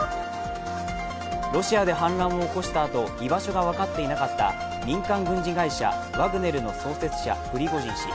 ロシアで反乱を起こしたあと居場所が分かっていなかった民間軍事会社ワグネルの創設者、プリゴジン氏。